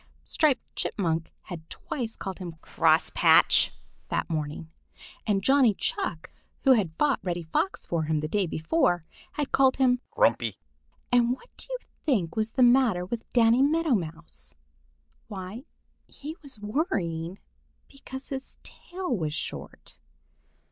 Striped Chipmunk had twice called him "Cross Patch" that morning, and Johnny Chuck, who had fought Reddy Fox for him the day before, had called him "Grumpy." And what do you think was the matter with Danny Meadow Mouse? Why, he was worrying because his tail is short.